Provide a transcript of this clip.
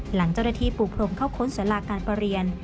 หลังเจ้าหน้าที่ปูพรมเข้าค้นสาราการประเรียน